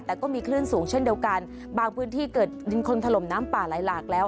แต่ก็มีคลื่นสูงเช่นเดียวกันบางพื้นที่เกิดดินคนถล่มน้ำป่าไหลหลากแล้ว